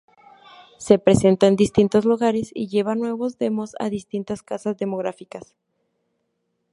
Se presenta en distintos lugares y lleva nuevos demos a distintas casas discográficas.